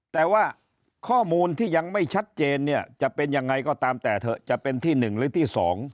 แต่ว่าข้อมูลที่ยังไม่ชัดเจนเนี่ยจะเป็นยังไงก็ตามแต่เถอะจะเป็นที่๑หรือที่๒